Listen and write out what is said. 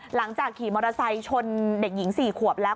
หลังจากขี่มอเตอร์ไซค์ชนเด็กหญิง๔ควบแล้ว